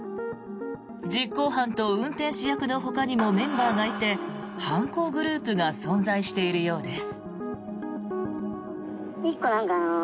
実行犯と運転手役のほかにもメンバーがいて犯行グループが存在しているようです。